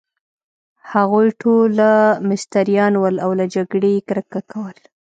هغوی ټوله مستریان ول، او له جګړې يې کرکه کول.